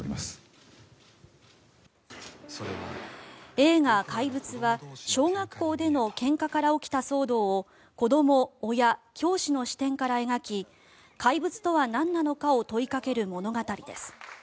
映画「怪物」は小学校でのけんかから起きた騒動を子ども、親、教師の視点から描き「怪物」とはなんなのかを問いかける物語です。